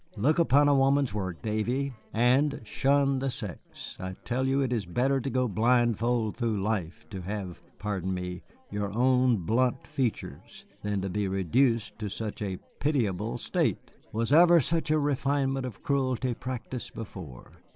Look upon a woman's work, Davy, and shun the sex. I tell you it is better to go blindfold through life, to have pardon me your own blunt features, than to be reduced to such a pitiable state. Was ever such a refinement of cruelty practised before?